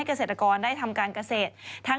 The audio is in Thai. พี่ชอบแซงไหลทางอะเนาะ